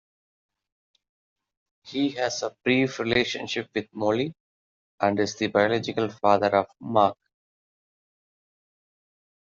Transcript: He has a brief relationship with Molly, and is the biological father of Mark.